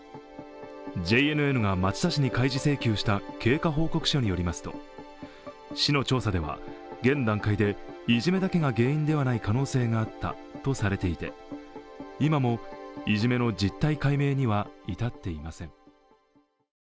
ＪＮＮが町田市に開示請求した経過報告書によりますと、市の調査では現段階でいじめだけが原因ではない可能性があったとされていて今も、いじめの実態解明には至っていません。